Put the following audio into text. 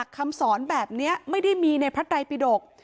คำสอนแบบนี้ไม่ได้มีในพระไตรปิดก